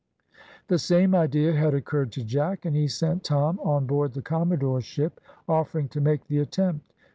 The same idea had occurred to Jack, and he sent Tom on board the commodore's ship, offering to make the attempt.